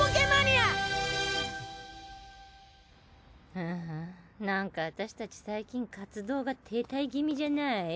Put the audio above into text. ハァなんか私たち最近活動が停滞気味じゃなぁい？